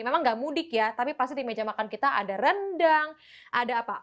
memang nggak mudik ya tapi pasti di meja makan kita ada rendang ada apa